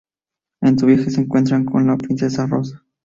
En su viaje se encuentran con la princesa Rosa.